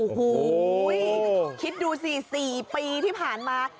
โอ้โหคิดดูสิ๔ปีที่ผ่านมา